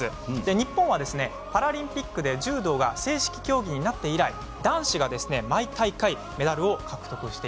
日本はパラリンピックで柔道が正式競技になって以来男子が、毎大会メダルを獲得しています。